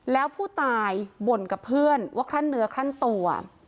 แล้วผู้ตายบ่นกับเพื่อนว่าคลั่นเนื้อคลั่นตัว